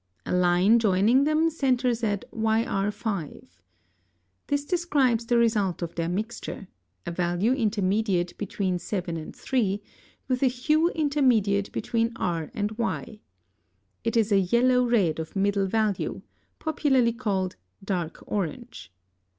A line joining them centres at YR5. This describes the result of their mixture, a value intermediate between 7 and 3, with a hue intermediate between R and Y. It is a yellow red of middle value, popularly called "dark orange."